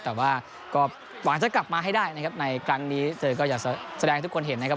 แต่ว่าก็หวังจะกลับมาให้ได้นะครับในครั้งนี้เธอก็อยากแสดงให้ทุกคนเห็นนะครับ